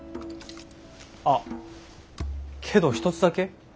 あっけど一つだけ。